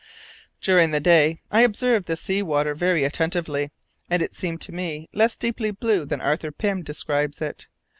During that day, I observed the sea water very attentively, and it seemed to me less deeply blue than Arthur Pym describes it.